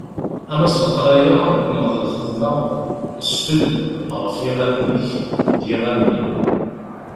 Ama s leqraya, neɣ d lxedma, sfell ɣef yiɣallen-ik, d yiɣallen-im.